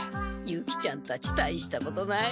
ユキちゃんたちたいしたことない。